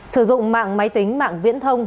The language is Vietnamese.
sử dụng mạng máy tính mạng viễn thông